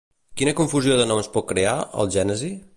Quina confusió de noms pot crear, el Gènesi?